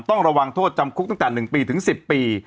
ต้องระวังโทษจำคุกตั้งแต่๑ปีถึง๑๐ปี